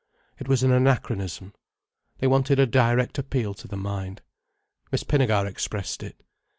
It was an anachronism. They wanted a direct appeal to the mind. Miss Pinnegar expressed it.